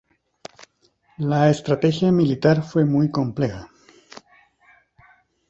La estrategia militar fue muy compleja.